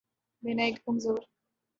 بینائی کو کمزور